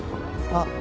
あっ。